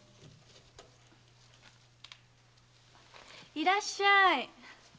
いらっしゃいませ。